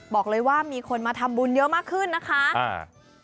บอกเลยว่ามีคนมาทำบุญเยอะมากขึ้นนะคะอ่า